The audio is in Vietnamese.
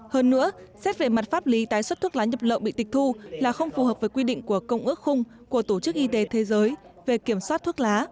hơn nữa xét về mặt pháp lý tái xuất thuốc lá nhập lậu bị tịch thu là không phù hợp với quy định của công ước khung của tổ chức y tế thế giới về kiểm soát thuốc lá